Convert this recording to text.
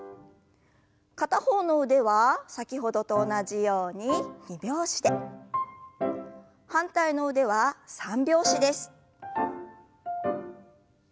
片方の腕は先ほどと同じように二拍子で反対の腕は三拍子です。